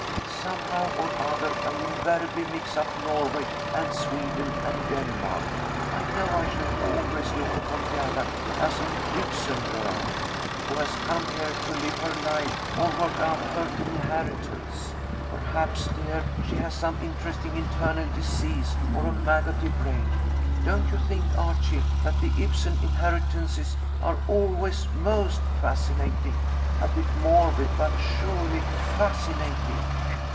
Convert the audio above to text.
"Somehow or other, I invariably mix up Norway and Sweden and Denmark. I know I shall always look upon Gerda as an Ibsen girl, who has come here to 'live her life,' or 'work out her inheritance.' Perhaps, dear, she has some interesting internal disease, or a maggoty brain. Don't you think, Archie, that the Ibsen inheritances are always most fascinating? A bit morbid, but surely fascinating."